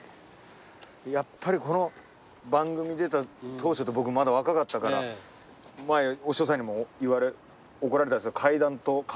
やっぱりこの番組出た当初って僕まだ若かったからお師匠さんにも怒られたんですけど。